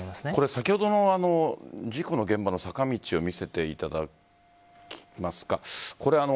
先ほどの事故の現場の坂道を見せていただけますか。